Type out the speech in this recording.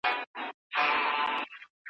دا معاهده د مهاراجا رنجیت سنګ په واسطه کیږي.